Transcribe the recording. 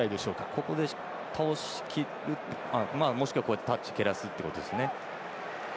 ここで倒しきるもしくはタッチを蹴らすということですね。